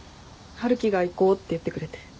春樹が行こうって言ってくれて。